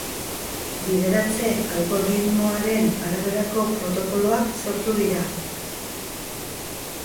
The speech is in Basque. Bideratze algoritmoaren araberako protokoloak sortu dira.